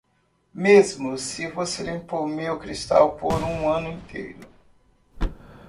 Mesmo se você limpou meu cristal por um ano inteiro...